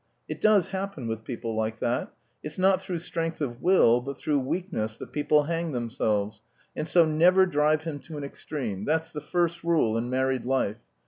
It does happen with people like that. It's not through strength of will but through weakness that people hang themselves, and so never drive him to an extreme, that's the first rule in married life.